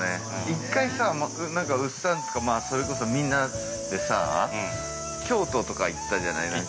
一回さ、うっさんとか、それこそ、みんなさ、京都とか行ったじゃない？